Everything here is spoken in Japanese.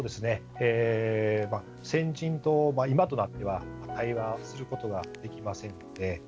先人と今となっては対話することができませんので。